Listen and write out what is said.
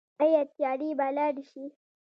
آیا تیارې به لاړې شي؟